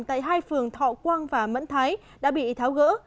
tại hai phường thọ quang và mẫn thái đã bị tháo gỡ